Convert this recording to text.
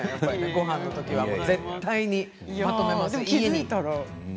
ごはんのときは絶対にまとめます。